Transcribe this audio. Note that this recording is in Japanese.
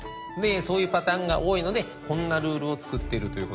そういうパターンが多いのでこんなルールを作っているということです。